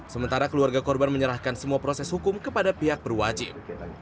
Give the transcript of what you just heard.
sementara keluarga korban menyerahkan semua proses hukum kepada pihak berwajib